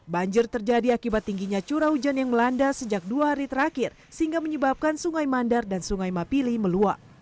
banjir terjadi akibat tingginya curah hujan yang melanda sejak dua hari terakhir sehingga menyebabkan sungai mandar dan sungai mapili meluap